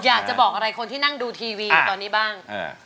อยากจะบอกอะไรคนที่นั่งดูทีวีอยู่ตอนนี้บ้าง